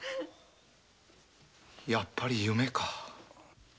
やっぱり夢か。